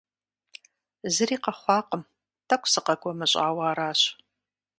Зыри къэхъуакъым, тӏэкӏу сыкъэгумэщӏауэ аращ.